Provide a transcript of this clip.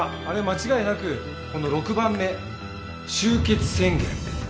あれは間違いなくこの６番目終結宣言。